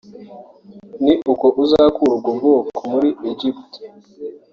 ni uko uzakura ubwo bwoko muri Egiputa